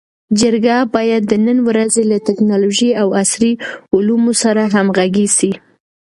جرګه باید د نن ورځې له ټکنالوژۍ او عصري علومو سره همږغي سي.